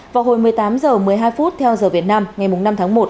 vào hồi một mươi tám h một mươi hai phút theo giờ việt nam ngày năm tháng một